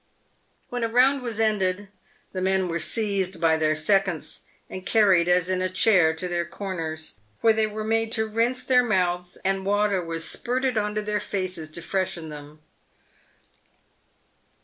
"When a round was ended, the men were seized by their seconds, and carried, as in a chair, to their corners, where they were made to rinse their mouths, and water was spirted into their faces to freshen them.